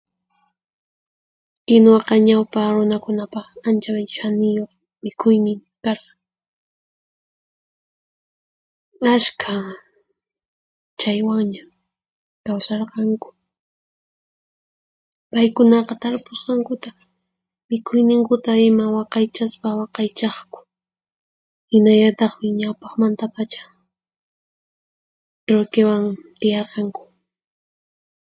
Kinuwaqa ñawpa runakunapaq ancha chaniyuq mikhuymi karqan. Ashkha chaywanlla kawsarqanku. Paykunaqa tarpusqankuta, mikhuyninkuta ima waqaychaspa waqaychaqku. Hinallataqmi ñawpaqmantapacha truikiwan tiyarqanku.